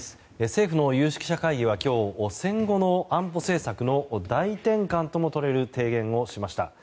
政府の有識者会議は今日、戦後の安保政策の大転換ともとれる提言をしました。